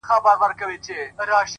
مثبت ذهن پر رڼا تمرکز کوي